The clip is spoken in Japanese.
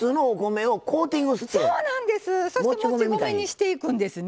そしてもち米にしていくんですね。